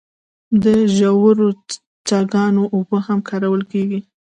د ژورو څاګانو اوبه هم کارول کیږي.